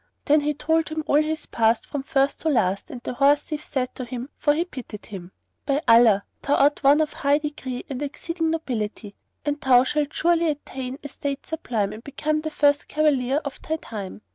Then he told him all his past from first to last; and the horse thief said to him for he pitied him, "By Allah, thou art one of high degree and exceeding nobility, and thou shalt surely attain estate sublime and become the first cavalier of thy time.